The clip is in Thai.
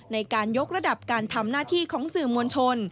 ในการยกระดับการทำหน้าที่ของสื่อมวลชน